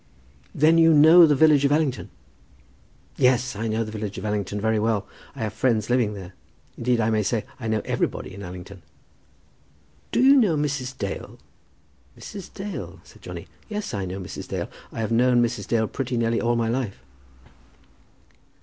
"Then you know the village of Allington?" "Yes, I know the village of Allington very well. I have friends living there. Indeed, I may say I know everybody in Allington." "Do you know Mrs. Dale?" "Mrs. Dale?" said Johnny. "Yes, I know Mrs. Dale. I have known Mrs. Dale pretty nearly all my life."